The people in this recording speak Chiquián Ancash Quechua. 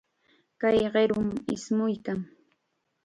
Kay qirum ismuykan.